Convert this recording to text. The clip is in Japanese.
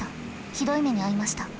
ひどい目に遭いました。